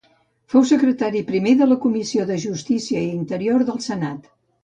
Fou secretari primer de la Comissió de Justícia i Interior del Senat.